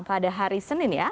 pada hari senin ya